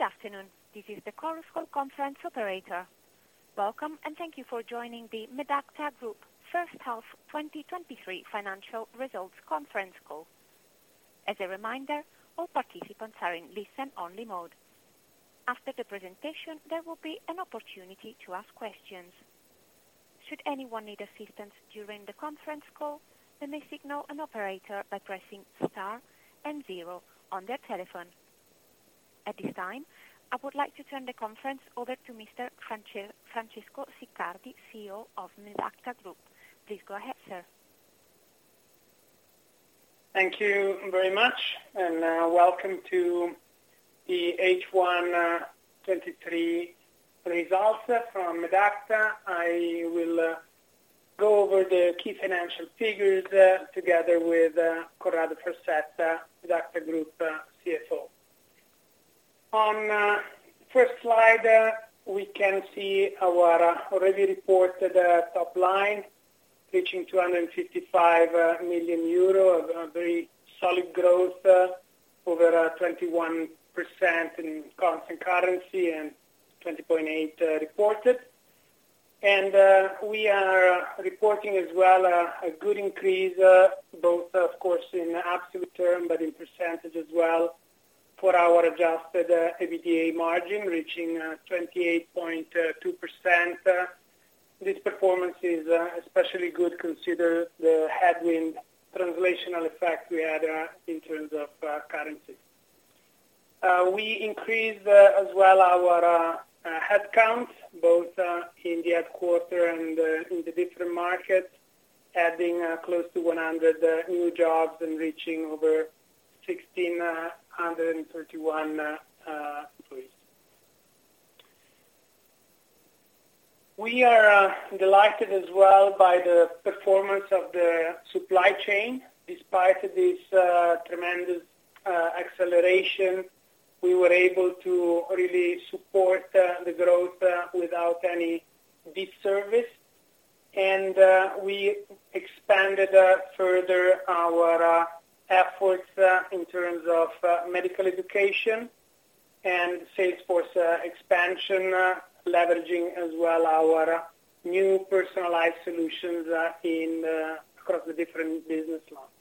Good afternoon, this is the Chorus Call Conference operator. Welcome, and thank you for joining the Medacta Group First Half 2023 Financial Results conference call. As a reminder, all participants are in listen-only mode. After the presentation, there will be an opportunity to ask questions. Should anyone need assistance during the conference call, they may signal an operator by pressing star and zero on their telephone. At this time, I would like to turn the conference over to Mr. Francesco Siccardi, CEO of Medacta Group. Please go ahead, sir. Thank you very much, and welcome to the H1 2023 results from Medacta. I will go over the key financial figures together with Corrado Farsetta, Medacta Group CFO. On first slide, we can see our already reported top line, reaching 255 million euro, of a very solid growth over 21% in constant currency and 20.8 reported. And we are reporting as well a good increase both of course in absolute term, but in percentage as well for our adjusted EBITDA margin, reaching 28.2%. This performance is especially good, considering the headwind translational effect we had in terms of currency. We increased, as well, our headcount, both in the headquarter and in the different markets, adding close to 100 new jobs and reaching over 1,631 employees. We are delighted as well by the performance of the supply chain. Despite this tremendous acceleration, we were able to really support the growth without any disservice. We expanded further our efforts in terms of medical education and sales force expansion, leveraging as well our new personalized solutions across the different business lines.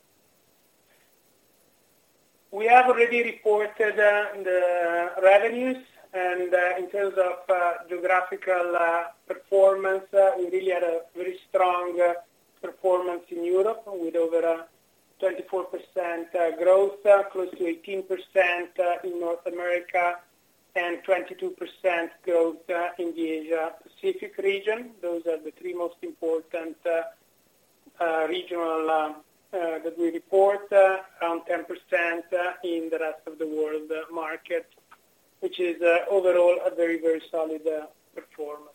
We have already reported the revenues and in terms of geographical performance we really had a very strong performance in Europe with over 24% growth close to 18% in North America and 22% growth in the Asia Pacific region. Those are the three most important regional that we report around 10% in the rest of the world market which is overall a very very solid performance.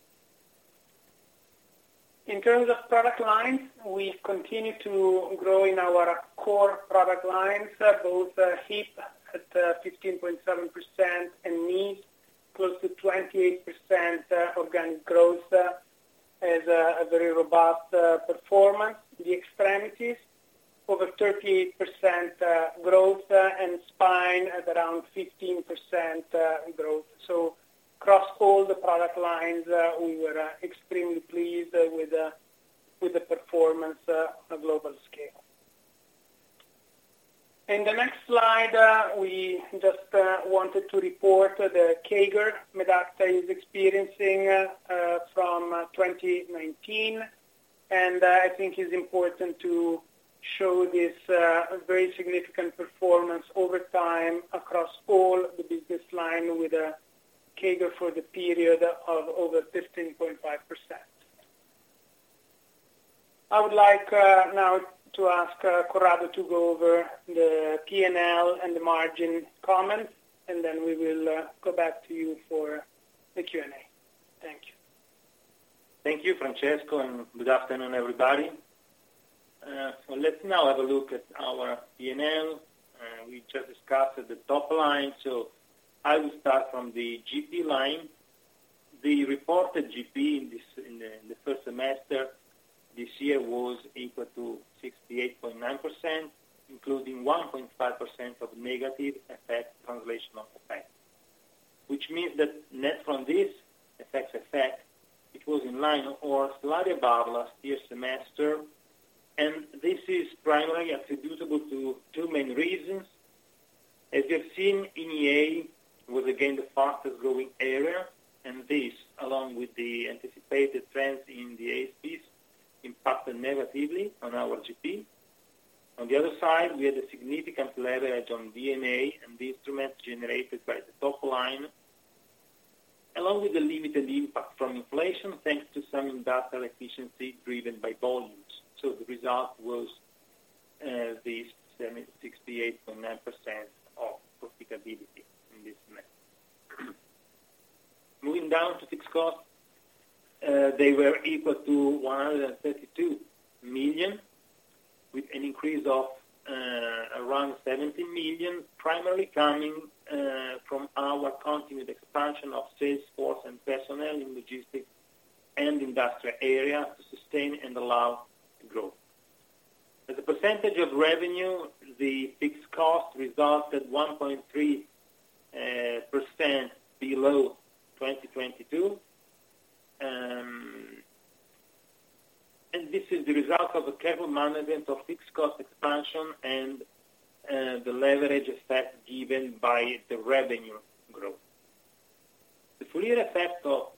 In terms of product lines we continue to grow in our core product lines both Hip at 15.7% and Knee close to 28% organic growth as a very robust performance. The Extremities over 30% growth and Spine at around 15% growth. So across all the product lines, we were extremely pleased with the, with the performance, on a global scale. In the next slide, we just wanted to report the CAGR Medacta is experiencing, from 2019. And I think it's important to show this, very significant performance over time across all the business line with a CAGR for the period of over 15.5%. I would like, now to ask, Corrado to go over the P&L and the margin comments, and then we will, go back to you for the Q&A. Thank you. Thank you, Francesco, and good afternoon, everybody. So let's now have a look at our P&L. We just discussed the top line, so I will start from the GP line. The reported GP in this first semester this year was equal to 68.9%, including 1.5% of negative effect, translational effect. Which means that net from this FX effect, it was in line or slightly above last year's semester, and this is primarily attributable to two main reasons. As you have seen, EMEA was again the fastest growing area, and this, along with the anticipated trends in the ASPs, impacted negatively on our GP. On the other side, we had a significant leverage on D&A, and the instruments generated by the top line, along with the limited impact from inflation, thanks to some industrial efficiency driven by volumes. So the result was the 68.9% of profitability in this semester. Moving down to fixed costs, they were equal to 132 million, with an increase of around 70 million, primarily coming from our continued expansion of sales force and personnel in logistics and industrial area to sustain and allow growth. As a percentage of revenue, the fixed cost resulted 1.3% below 2022. And this is the result of a careful management of fixed cost expansion and the leverage effect given by the revenue growth. The full year effect of,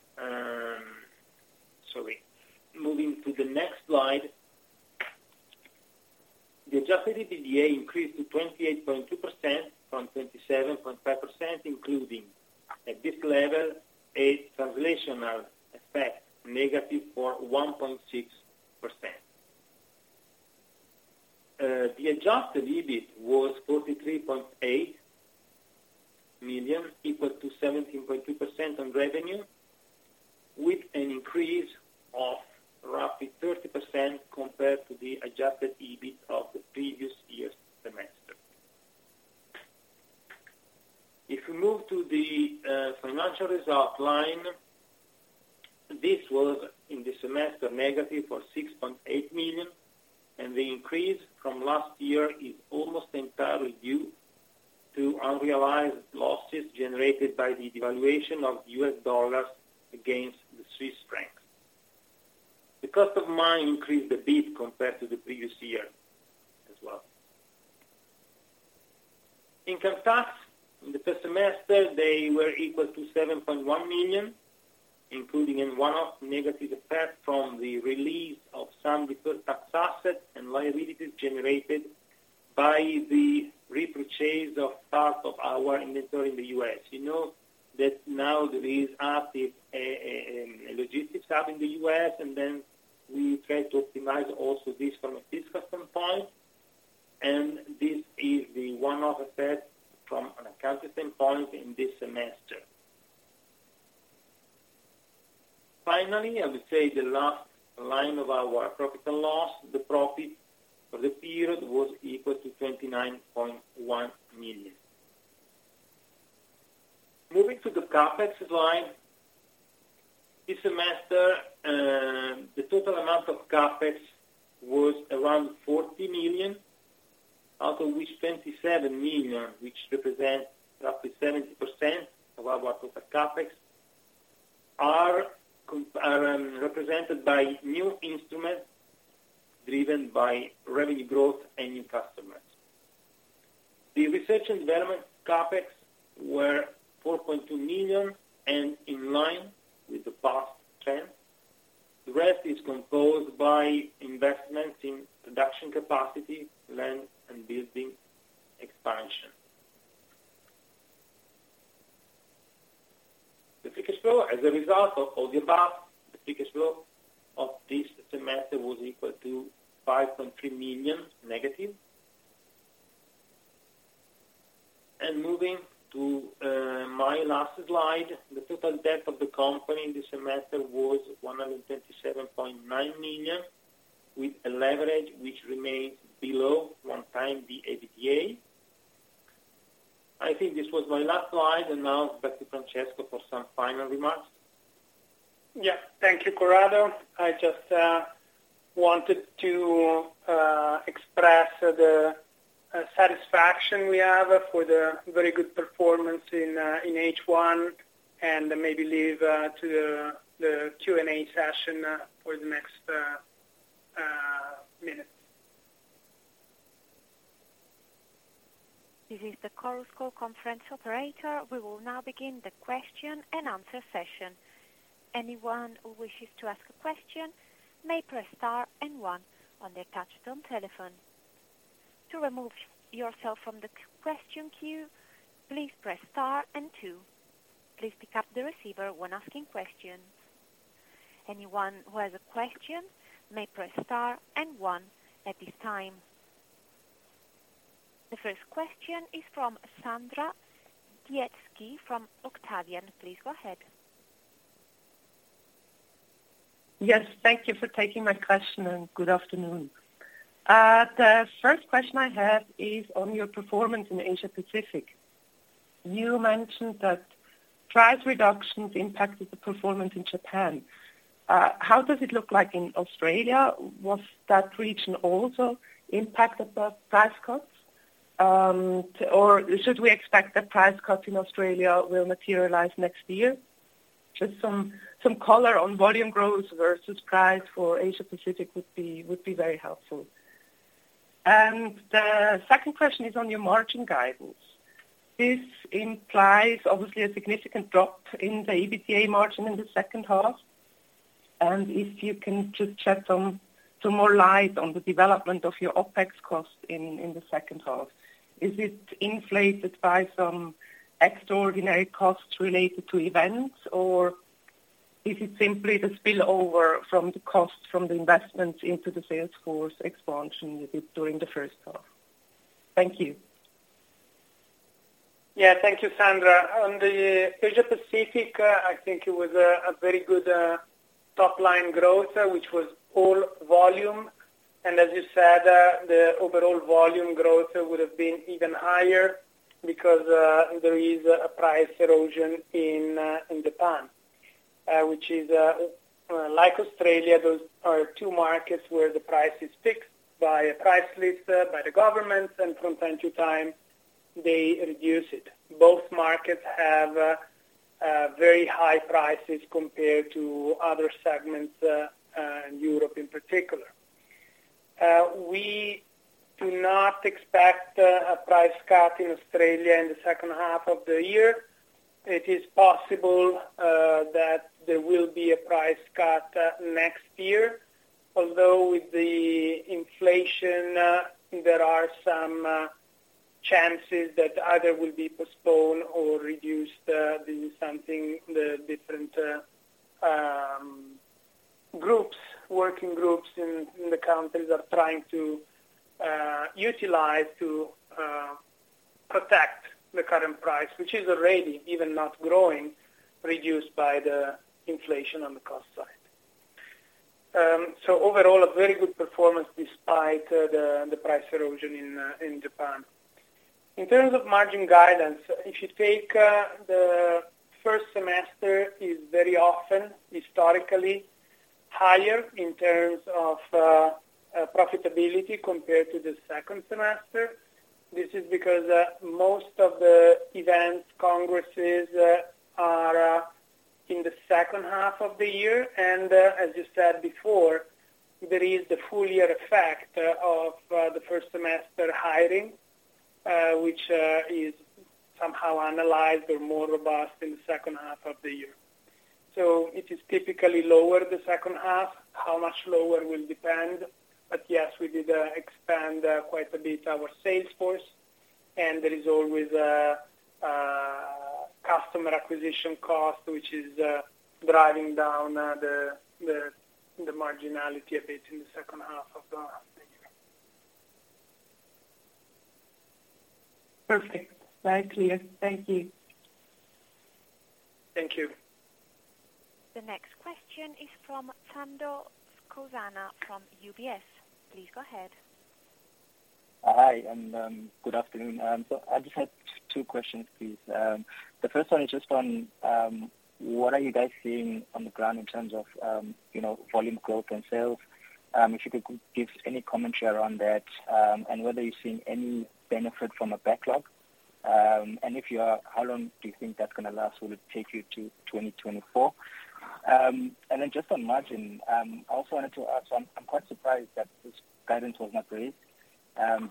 moving to the next slide. The adjusted EBITDA increased to 28.2% from 27.5%, including at this level, a translational effect negative for 1.6%. The adjusted EBIT was EUR 43.8 million, equal to 17.2% on revenue, with an increase of roughly 30% compared to the adjusted EBIT of the previous year's semester. If we move to the financial result line, this was in the semester, negative for 6.8 million, and the increase from last year is almost entirely due to unrealized losses generated by the devaluation of the U.S. dollar against the Swiss franc. The cost of money increased a bit compared to the previous year as well. Income tax, in the first semester, they were equal to 7.1 million, including in one-off negative effect from the release of some deferred tax assets and liabilities generated by the repurchase of part of our inventory in the U.S. You know, that now there is active logistics hub in the U.S., and then we try to optimize also this from a fiscal standpoint, and this is the one-off effect from an accounting standpoint in this semester. Finally, I would say the last line of our profit and loss, the profit for the period was equal to EUR 29.1 million. Moving to the CapEx line, this semester, the total amount of CapEx was around 40 million, out of which 27 million, which represents roughly 70% of our total CapEx, are represented by new instruments driven by revenue growth and new customers. The research and development CapEx were 4.2 million and in line with the past trend. The rest is composed by investments in production capacity, land, and building expansion. The free cash flow, as a result of all the above, the free cash flow of this semester was equal to -5.3 million. And moving to, my last slide, the total debt of the company in this semester was 127.9 million, with a leverage which remains below 1x the EBITDA. I think this was my last slide, and now back to Francesco for some final remarks. Yeah. Thank you, Corrado. I just wanted to express the satisfaction we have for the very good performance in H1, and maybe leave to the Q&A session for the next minutes. This is the Chorus Call Conference Operator. We will now begin the question and answer session. Anyone who wishes to ask a question may press star and one on the touchtone telephone. To remove yourself from the question queue, please press star and two. Please pick up the receiver when asking questions. Anyone who has a question may press star and one at this time. The first question is from Sandra Dietschy from Octavian. Please go ahead. Yes, thank you for taking my question, and good afternoon. The first question I have is on your performance in Asia Pacific. You mentioned that price reductions impacted the performance in Japan. How does it look like in Australia? Was that region also impacted by price cuts? Or should we expect that price cuts in Australia will materialize next year? Just some color on volume growth versus price for Asia Pacific would be very helpful. And the second question is on your margin guidance. This implies, obviously, a significant drop in the EBITDA margin in the second half. And if you can just shed some more light on the development of your OpEx costs in the second half. Is it inflated by some extraordinary costs related to events, or is it simply the spillover from the costs from the investment into the sales force expansion you did during the first half? Thank you. Yeah. Thank you, Sandra. On the Asia Pacific, I think it was a very good top-line growth, which was all volume. And as you said, the overall volume growth would have been even higher because there is a price erosion in Japan, which is like Australia, those are two markets where the price is fixed by a price list by the government, and from time to time, they reduce it. Both markets have very high prices compared to other segments in Europe in particular. We do not expect a price cut in Australia in the second half of the year. It is possible that there will be a price cut next year, although with the inflation, there are some chances that either will be postponed or reduced. This is something the different groups, working groups in the countries are trying to utilize to protect the current price, which is already even not growing, reduced by the inflation on the cost side. So overall, a very good performance despite the price erosion in Japan. In terms of margin guidance, if you take the first semester is very often historically higher in terms of profitability compared to the second semester. This is because most of the events, congresses, are in the second half of the year, and as you said before, there is the full year effect of the first semester hiring, which is somehow annualized or more robust in the second half of the year. It is typically lower the second half. How much lower will depend, but yes, we did expand quite a bit our sales force, and there is always a customer acquisition cost, which is driving down the marginality a bit in the second half of the year. Perfect. Very clear. Thank you. Thank you. The next question is from Thando Skosana, from UBS. Please go ahead. Hi, and good afternoon. I just had two questions, please. The first one is just on what are you guys seeing on the ground in terms of, you know, volume growth and sales? If you could give any commentary around that, and whether you're seeing any benefit from a backlog. If you are, how long do you think that's going to last? Will it take you to 2024? Just on margin, I also wanted to ask, I'm quite surprised that this guidance was not raised,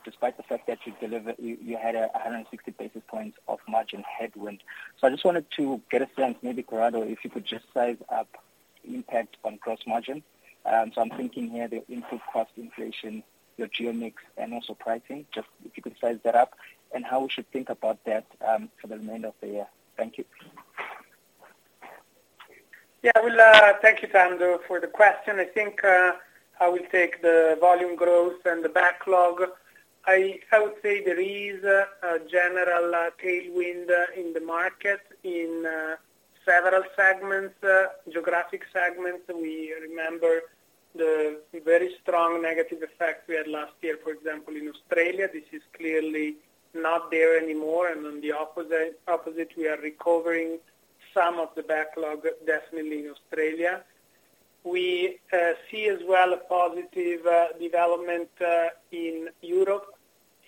despite the fact that you deliver—you had 160 basis points of margin headwind. I just wanted to get a sense, maybe, Corrado, if you could just size up impact on gross margin. So I'm thinking here, the input cost inflation, your geo mix, and also pricing, just if you could size that up and how we should think about that, for the remainder of the year? Thank you. Yeah, well, thank you, Thando, for the question. I think, I will take the volume growth and the backlog. I would say there is a general tailwind in the market in several segments, geographic segments. We remember the very strong negative effect we had last year, for example, in Australia. This is clearly not there anymore, and on the opposite, we are recovering some of the backlog, definitely in Australia. We see as well a positive development in Europe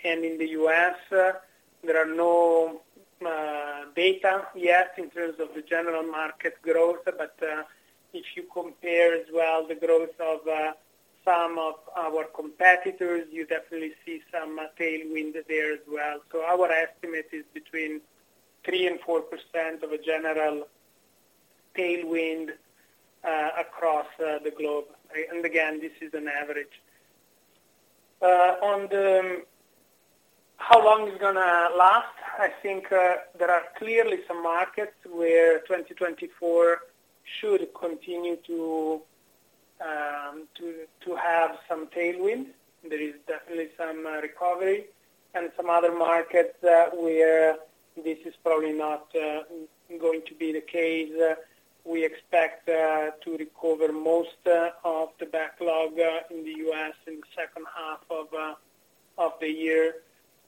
and in the U.S. There are no data yet in terms of the general market growth, but if you compare as well the growth of some of our competitors, you definitely see some tailwind there as well. So our estimate is between 3% and 4% of a general tailwind across the globe. And again, this is an average. On how long it's going to last, I think, there are clearly some markets where 2024 should continue to have some tailwind. There is definitely some recovery and some other markets, where this is probably not going to be the case. We expect to recover most of the backlog in the U.S. in the second half of the year,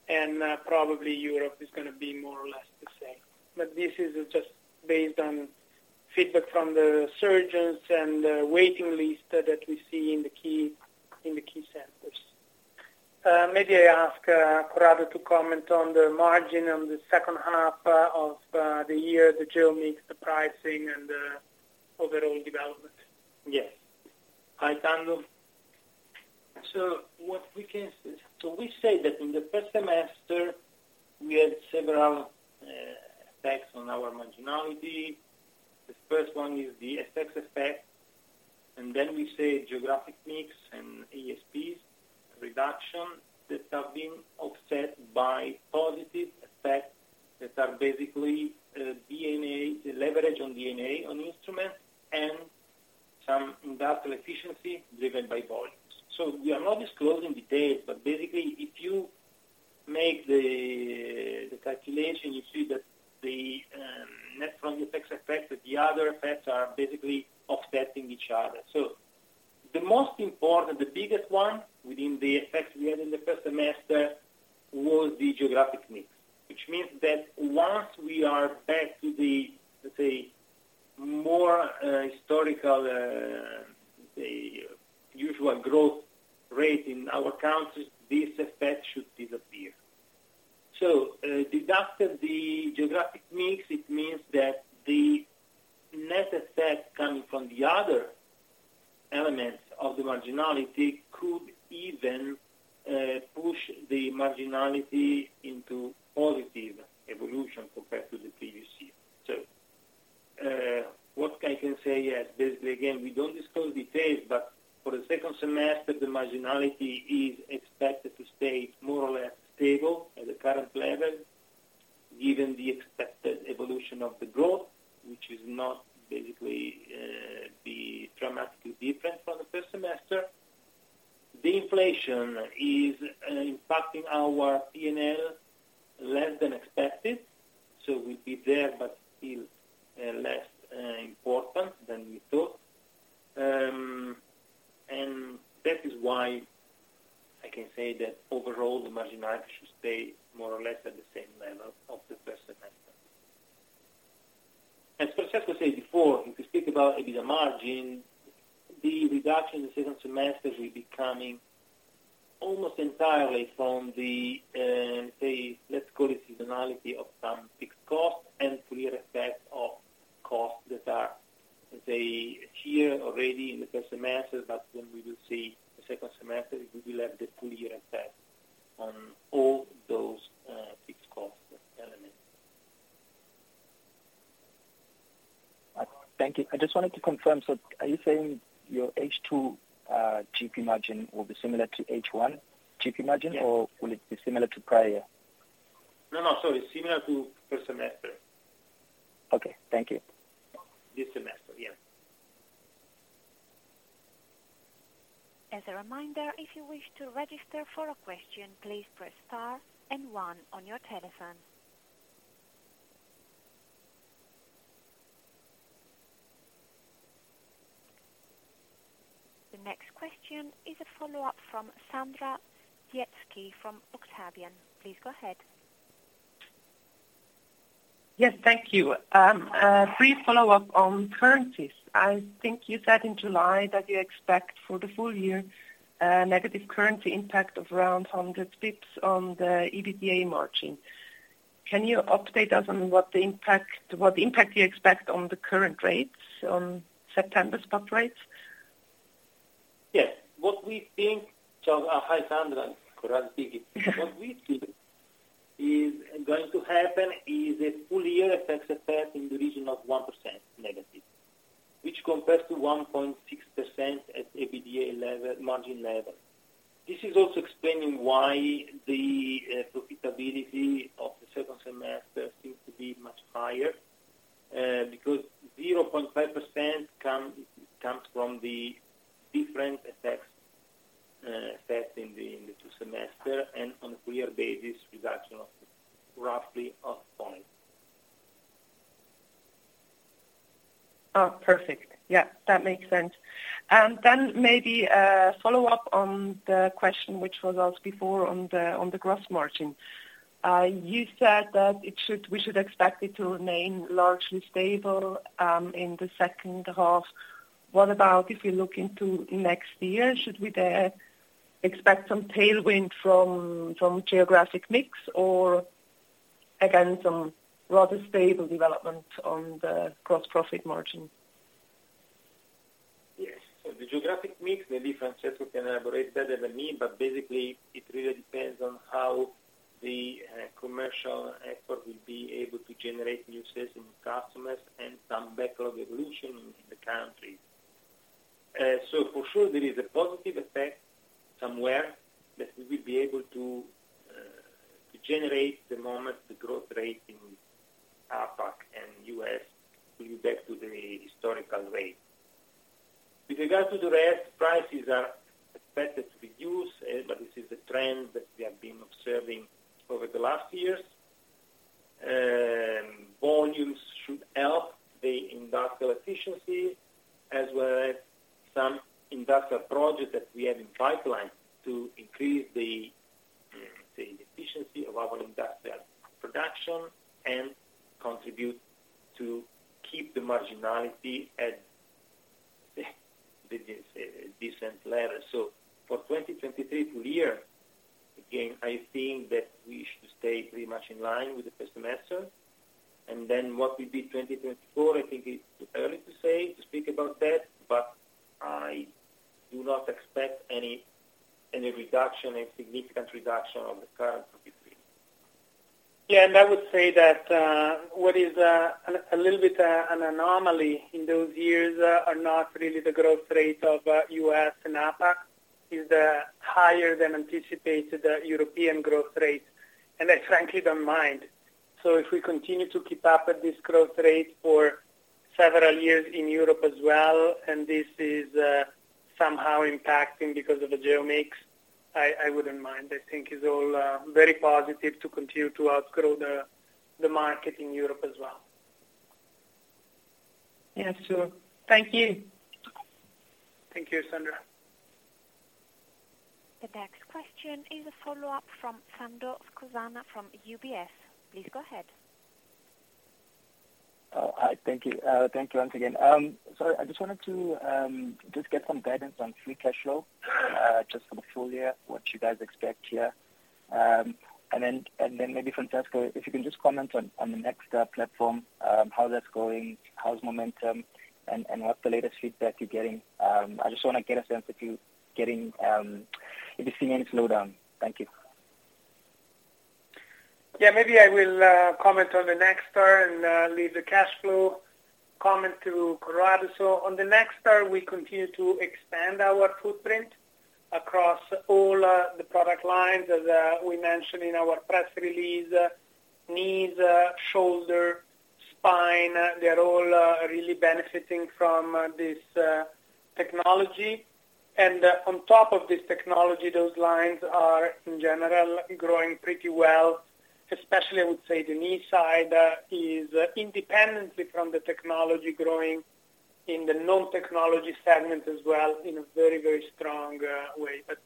and probably Europe is going to be more or less the same. But this is just based on feedback from the surgeons and the waiting list that we see in the key centers. Maybe I ask Corrado to comment on the margin on the second half of the year, the geo mix, the pricing, and overall development. Yes. Hi, Thando. What we can say is that in the first semester, we had several effects on our marginality. The first one is the FX effect, and then we say geographic mix and ASPs reduction that have been offset by positive effects that are basically D&A, leverage on D&A, on instruments, and some industrial efficiency driven by basically be dramatically different from the first semester. The inflation is impacting our P&L less than expected, so we'll be there, but still less important than we thought. And that is why I can say that overall, the marginality should stay more or less at the same level of the first semester. As Francesco said before, if you speak about EBITDA margin, the reduction in the second semester will be coming almost entirely from the, say, let's call it seasonality of some fixed costs and full year effect of costs that are, let's say, here already in the first semester, but then we will see the second semester, we will have the full year effect on all those, fixed cost elements. Thank you. I just wanted to confirm, so are you saying your H2 GP margin will be similar to H1 GP margin? Yes. Or will it be similar to prior year? No, no, sorry. Similar to first semester. Okay, thank you. This semester, yeah. As a reminder, if you wish to register for a question, please press Star and One on your telephone. The next question is a follow-up from Sandra Dietschy from Octavian. Please go ahead. Yes, thank you. A brief follow-up on currencies. I think you said in July that you expect for the full year, negative currency impact of around 100 basis points on the EBITDA margin. Can you update us on what the impact, what impact you expect on the current rates, on September spot rates? Yes. What we think, hi, Sandra, correct me. What we think is going to happen is a full year FX effect in the region of 1% negative, which compares to 1.6% at EBITDA level, margin level. This is also explaining why the profitability of the second semester seems to be much higher, because 0.5% comes from the different FX effect in the two semester, and on a clear basis, reduction of roughly a point. Oh, perfect. Yeah, that makes sense. Then maybe a follow-up on the question, which was asked before on the, on the gross margin. You said that it should—we should expect it to remain largely stable, in the second half. What about if you look into next year? Should we then expect some tailwind from, from geographic mix or again, some rather stable development on the gross profit margin? Yes. So the geographic mix, maybe Francesco can elaborate better than me, but basically it really depends on how the commercial effort will be able to generate new sales and customers and some backlog evolution in the country. So for sure, there is a positive effect somewhere that we will be able to generate the moment the growth rate in APAC and U.S. to be back to the historical rate. With regard to the rest, prices are expected to reduce, but this is a trend that we have been observing over the last years. Volumes should help the industrial efficiency, as well as some industrial projects that we have in pipeline to increase the efficiency of our industrial production and contribute to keep the marginality at a decent level. So for 2023 full year, again, I think that we should stay pretty much in line with the first semester. And then what will be 2024, I think it's early to say, to speak about that, but I do not expect any, any reduction, a significant reduction on the current trajectory. Yeah, I would say that what is a little bit an anomaly in those years is not really the growth rate of U.S. and APAC, it is the higher than anticipated European growth rate, and I frankly don't mind. If we continue to keep up at this growth rate for several years in Europe as well, and this is somehow impacting because of the geo mix, I wouldn't mind. I think it's all very positive to continue to outgrow the market in Europe as well.... Yeah, sure. Thank you. Thank you, Sandra. The next question is a follow-up from Thando Skosana from UBS. Please go ahead. Hi. Thank you. Thank you once again. So I just wanted to just get some guidance on free cash flow, just for the full year, what you guys expect here. And then maybe, Francesco, if you can just comment on the NextAR platform, how that's going, how's momentum, and what's the latest feedback you're getting? I just want to get a sense if you're getting, if you're seeing any slowdown. Thank you. Yeah, maybe I will comment on the NextAR and leave the cash flow comment to Corrado. So on the NextAR, we continue to expand our footprint across all the product lines. As we mentioned in our press release, Knee, Shoulder, Spine, they are all really benefiting from this technology. And on top of this technology, those lines are, in general, growing pretty well, especially, I would say, the Knee side is independently from the technology growing in the non-technology segment as well, in a very, very strong way. But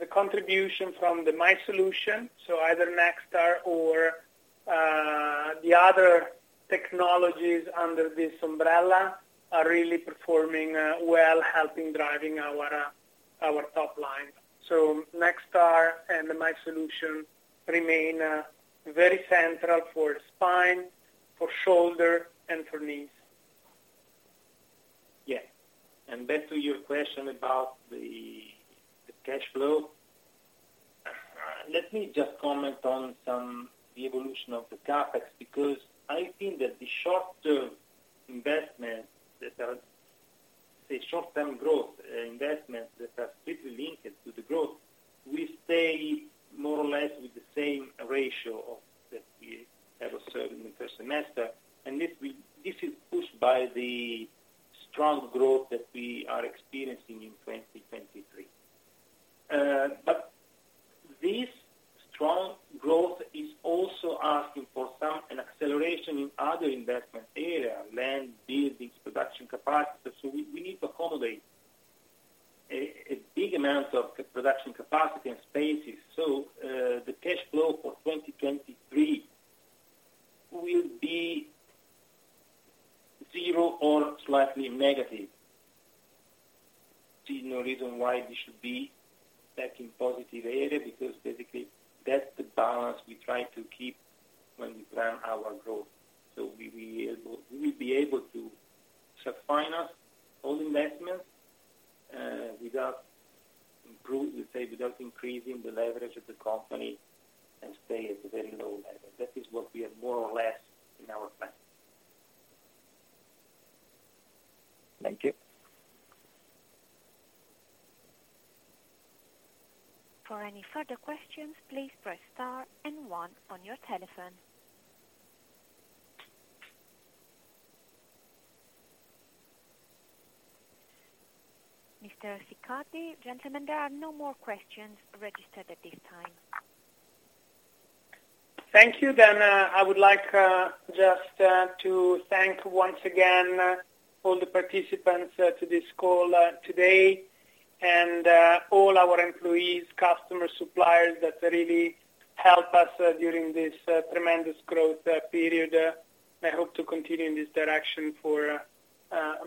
the contribution from the MySolutions, so either NextAR or the other technologies under this umbrella, are really performing well, helping driving our our top line. So NextAR and the MySolutions remain very central for Spine, for Shoulder, and for Knee. Yeah. And back to your question about the cash flow. Let me just comment on the evolution of the CapEx, because I think that the short-term growth investments that are strictly linked to the growth, we stay more or less with the same ratio that we had observed in the first semester. And this—this is pushed by the strong growth that we are experiencing in 2023. But this strong growth is also asking for an acceleration in other investment area, land, buildings, production capacity. So we need to accommodate a big amount of production capacity and spaces. So the cash flow for 2023 will be zero or slightly negative. See no reason why we should be back in positive area, because basically, that's the balance we try to keep when we plan our growth. We will be able to refinance all investments, without increasing the leverage of the company and stay at a very low level. That is what we have more or less in our plan. Thank you. For any further questions, please press Star and One on your telephone. Mr. Siccardi, gentlemen, there are no more questions registered at this time. Thank you. Then, I would like just to thank once again all the participants to this call today, and all our employees, customers, suppliers, that really help us during this tremendous growth period. I hope to continue in this direction for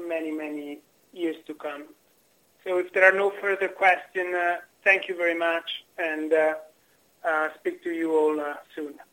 many, many years to come. So if there are no further question, thank you very much, and speak to you all soon.